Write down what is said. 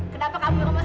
kenapa kamu melakukan ini